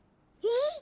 えっ？